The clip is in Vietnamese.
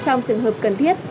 trong trường hợp cần thiết